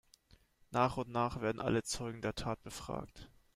Nach und nach werden alle Zeugen der Tat befragt.